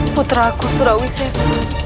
putra aku surawises